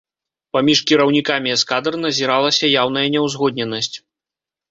Паміж кіраўнікамі эскадр назіралася яўная няўзгодненасць.